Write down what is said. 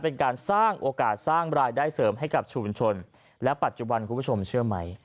เป็นการสร้างโอกาสสร้างรายได้เสริมให้กับชุมชนและปัจจุบันคุณผู้ชมเชื่อไหม